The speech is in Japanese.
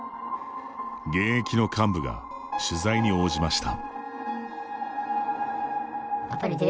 現役の幹部が取材に応じました。